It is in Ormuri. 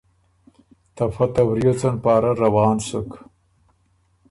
ته فۀ ته وریوڅن پاره روان سُک۔